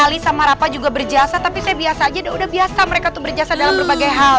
ali sama rapa juga berjasa tapi saya biasa aja udah biasa mereka tuh berjasa dalam berbagai hal